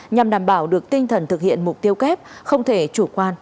nhằm đảm bảo được tinh thần thực hiện mục tiêu kép không thể chủ quan